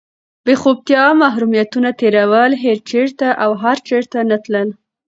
بېخوبتیا، محرومیتونه تېرول، هېر چېرته او هر چاته نه تلل،